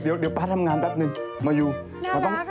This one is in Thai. เดี๋ยวป้าทำงานแปปนึง